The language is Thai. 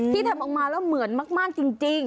ทำออกมาแล้วเหมือนมากจริง